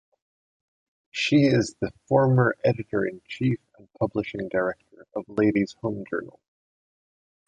She is the former editor-in-chief and publishing director of "Ladies' Home Journal".